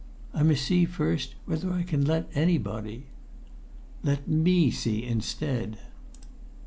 "I must see first whether I can let anybody." "Let me see instead!"